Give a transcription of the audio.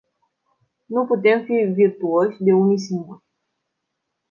Nu putem fi virtuoși de unii singuri.